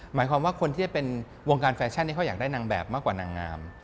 หมายความว่าคนที่จะเป็นวงการแฟชั่นที่เขาอยากได้นางแบบมากกว่านางงาม